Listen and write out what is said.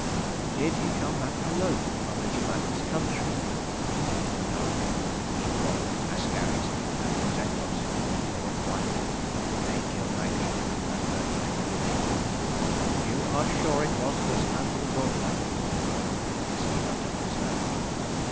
"Did he come back alone from the Germanis' country?" "No. He brought askaris and muzangos. {183a} They killed my people and burnt my village." "You are sure it was this man who brought them?" "Is he not a prisoner?"